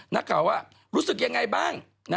นางก็บอกว่ารู้สึกยังไงบ้าง